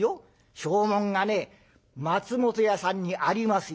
証文がね松本屋さんにありますよ。